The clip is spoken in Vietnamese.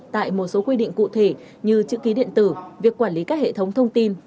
tại một số quy định cụ thể như chữ ký điện tử việc quản lý các hệ thống thông tin